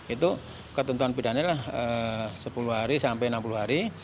itu ketentuan pidana adalah sepuluh hari sampai enam puluh hari